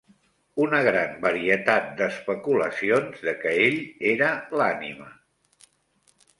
Una gran varietat d'especulacions de què ell era l'ànima.